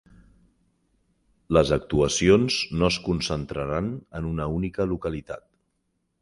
Les actuacions no es concentraran en una única localitat.